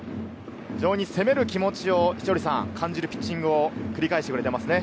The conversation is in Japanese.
非常に攻める気持ちを稀哲さん、感じるピッチングを繰り返してくれていますね。